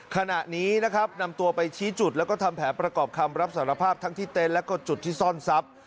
ขณะนี้นำตัวไปชี้จุดและทำแผลประกอบคำรับสารภาพทั้งที่เต็นและจุดที่ซ่อนซับ